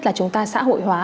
là chúng ta xã hội hóa